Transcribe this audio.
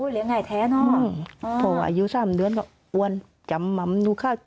เลี้ยงง่ายแท้เนาะ